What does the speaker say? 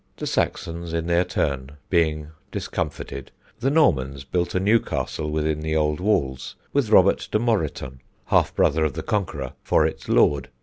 The Saxons in their turn being discomfited, the Normans built a new castle within the old walls, with Robert de Moreton, half brother of the Conqueror, for its lord.